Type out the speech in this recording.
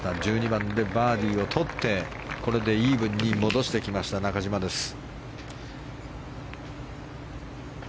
１２番でバーディーをとってイーブンに戻してきました中島です。